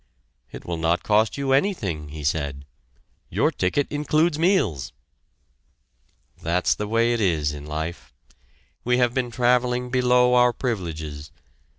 "It will not cost you anything," he said. "Your ticket includes meals." That's the way it is in life we have been traveling below our privileges.